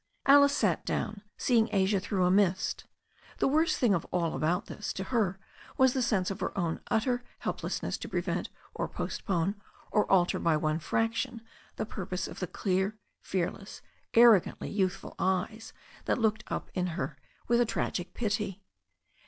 Alice sat down, seeing Asia through a mist. The worst thing of all about this to her was the sense of her own utter helplessness to prevent, or postpone, or alter by one fraction the purpose of the clear, fearless, arrogantly youth ful eyes that looked up at her with a tragic pity.